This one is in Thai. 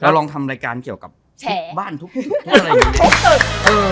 แล้วลองทำรายการเกี่ยวกับทุกบ้านทุกตึก